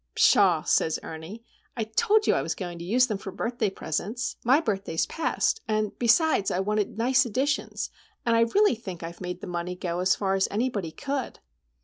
"Pshaw!" says Ernie—"I told you I was going to use them for birthday presents. My birthday is past; and besides I wanted nice editions, and I really think I've made the money go as far as anybody could!"